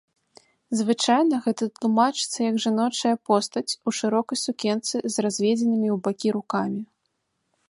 Звычайна гэта тлумачыцца як жаночая постаць у шырокай сукенцы з разведзенымі ў бакі рукамі.